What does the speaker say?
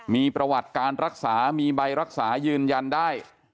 มีประวัติการรักษามีใบรักษายืนยันได้